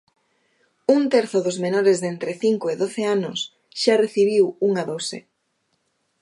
Un terzo dos menores de entre cinco e doce anos xa recibiu unha dose.